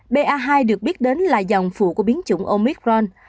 ba hai được biết đến là dòng phụ của biến chủng omicron